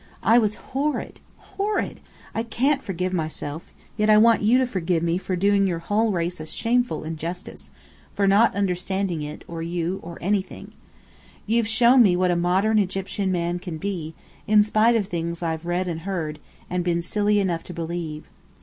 I was horrid horrid. I can't forgive myself, yet I want you to forgive me for doing your whole race a shameful injustice, for not understanding it, or you, or or anything. You've shown me what a modern Egyptian man can be, in spite of things I've read and heard, and been silly enough to believe.